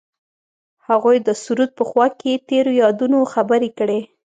هغوی د سرود په خوا کې تیرو یادونو خبرې کړې.